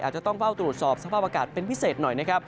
อาจจะต้องเฝ้าตรวจสอบสภาพอากาศเป็นพิเศษหน่อยนะครับ